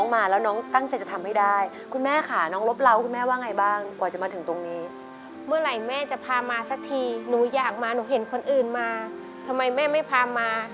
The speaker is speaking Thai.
เมื่อไหร่แม่จะพามาสักทีหนูอยากมาหนูเห็นคนอื่นมาทำไมแม่ไม่พามา